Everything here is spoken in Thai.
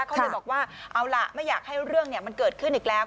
เขาเลยบอกว่าเอาล่ะไม่อยากให้เรื่องมันเกิดขึ้นอีกแล้ว